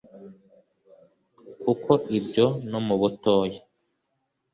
kuko ibyo no mu butoya,